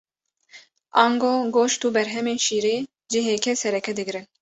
Ango goşt û berhemên şîrê cihekê sereke digirin.